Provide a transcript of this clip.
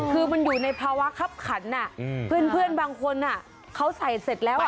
คือมันอยู่ในภาวะคับขันเพื่อนบางคนเขาใส่เสร็จแล้วอ่ะ